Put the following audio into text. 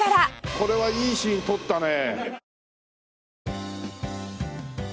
これはいいシーン撮ったねえ。